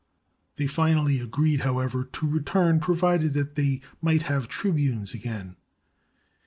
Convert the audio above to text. They finally agreed, however, to return, provided they might have tribunes again.